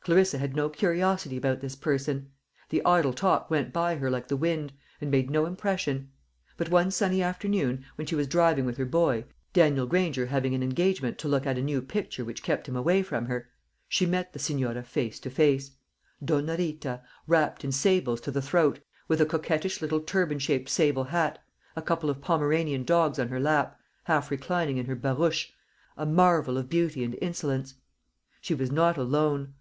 Clarissa had no curiosity about this person. The idle talk went by her like the wind, and made no impression; but one sunny afternoon, when she was driving with her boy, Daniel Granger having an engagement to look at a new picture which kept him away from her, she met the Senora face to face Donna Rita, wrapped in sables to the throat, with a coquettish little turban shaped sable hat, a couple of Pomeranian dogs on her lap half reclining in her barouche a marvel of beauty and insolence. She was not alone.